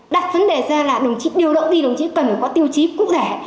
đặt vấn đề ra là đồng chí điều động đi đồng chí cần phải có tiêu chí cụ thể